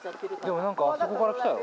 でも何かあそこから来たよ。